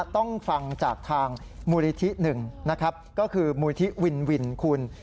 ต้องฟังจากทางมูลนิธิหนึ่งนะครับก็คือมูลที่วินวินคุณ